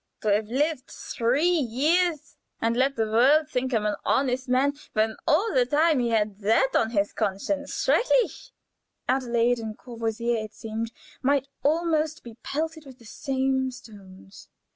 To have lived three years, and let the world think him an honest man, when all the time he had that on his conscience! Schrecklich!" Adelaide and Courvoisier, it seemed, might almost be pelted with the same stones.